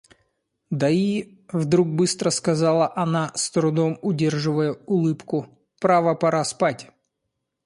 Да и... — вдруг быстро сказала она, с трудом удерживая улыбку, — право пора спать.